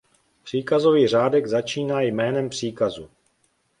Příkazový řádek začíná jménem příkazu.